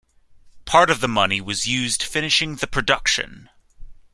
Part of the money was used finishing the production.